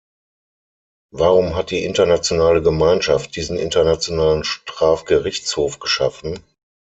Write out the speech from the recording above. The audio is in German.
Warum hat die internationale Gemeinschaft diesen Internationalen Strafgerichtshof geschaffen?